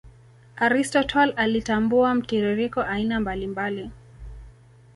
Aristotle alitambua mtiririko aina mbali mbali